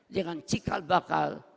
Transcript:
dengan cikal bakal